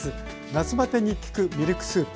夏バテに効くミルクスープ。